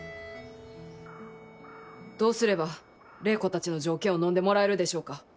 どうすれば礼子たちの条件をのんでもらえるでしょうか。